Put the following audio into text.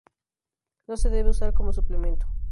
No se debe usar como suplemento.